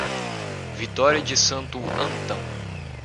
Vitória de Santo Antão